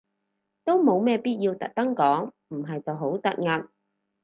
都冇咩必要特登講，唔係就好突兀